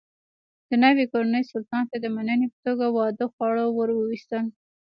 د ناوې کورنۍ سلطان ته د مننې په توګه واده خواړه ور واستول.